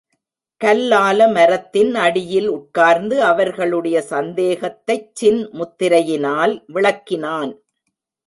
கல்லாலமரத்தின் அடியில் உட்கார்ந்து அவர்களுடைய சந்தேகத்தைச் சின் முத்திரையினால் விளக்கினான்.